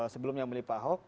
sebelumnya memilih pak ahok